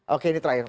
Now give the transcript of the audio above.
oke ini terakhir